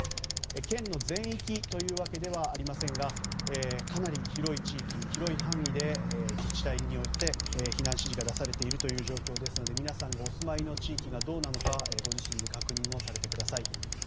県の全域というわけではありませんがかなり広い地域、広い範囲で自治体において、避難指示が出されている状況ですので皆さんがお住まいの地域がどうなのかご自身で確認されてください。